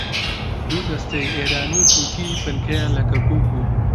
دوو دەستەی ئێرانی و تورکی بنکەیان لە کەرکووک بوو